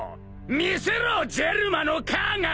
みせろジェルマの科学！